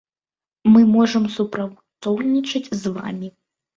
Мы можам супрацоўнічаць з вамі.